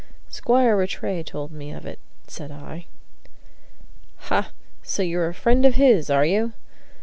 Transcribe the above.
"Squire Rattray told me of it," said I. "Ha! So you're a friend of his, are you?"